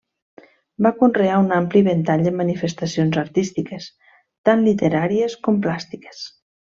Va conrear un ampli ventall de manifestacions artístiques, tant literàries com plàstiques.